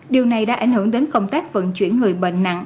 điều này đã ảnh hưởng đến công tác vận chuyển người bệnh nặng